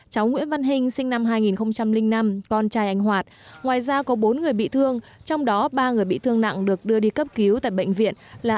cháu nguyễn văn hình sinh năm hai nghìn năm con trai anh hoạt ngoài ra có bốn người bị thương trong đó ba người bị thương nặng được đưa đi cấp cứu tại bệnh viện là